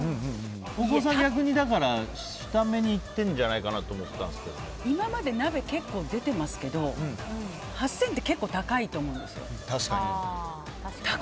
大久保さん、逆に下めにいってるんじゃないかなと今まで鍋、結構出てますけど８０００円って結構高いと思うんですよ。